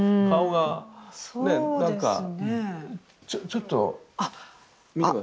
ちょっと見て下さい。